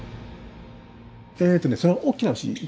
えっとねその大きな牛。